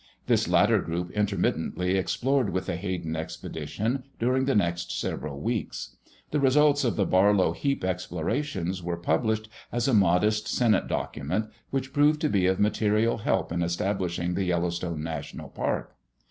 This latter group intermittently explored with the Hayden expedition during the next several weeks. The results of the Barlow Heap explorations were published as a modest Senate Document which proved to be of material help in establishing the Yellowstone National Park.